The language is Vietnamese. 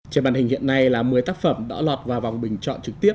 trên bàn hình hiện nay là một mươi tác phẩm đã lọt vào vòng bình chọn trực tiếp